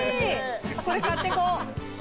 これ買ってこう。